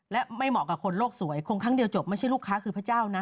และไม่เหมาะกับคนโลกสวยคงครั้งเดียวจบไม่ใช่ลูกค้าคือพระเจ้านะ